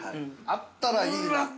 あったらいいな◆